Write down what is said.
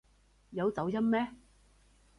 有走音咩？